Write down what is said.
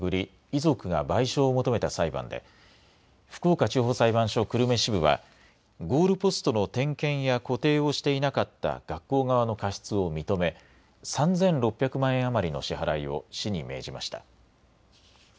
遺族が賠償を求めた裁判で福岡地方裁判所久留米支部はゴールポストの点検や固定をしていなかった学校側の過失を認め３６００万円余りの支払いを市に命じました。